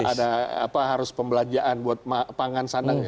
ada apa harus pembelanjaan buat pangan sanaknya